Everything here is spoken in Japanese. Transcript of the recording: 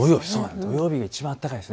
土曜日がいちばん暖かいです。